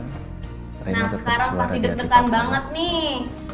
nah sekarang pasti deg degan banget nih